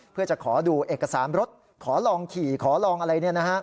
เพื่อจะขอดูเอกสารรถขอลองขี่ขอลองอะไร